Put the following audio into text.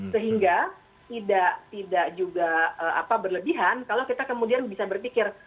sehingga tidak juga berlebihan kalau kita kemudian bisa berpikir